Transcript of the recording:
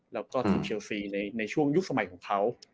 แล้วก็ทีมเชลซีในช่วงยุคสมัยของเขา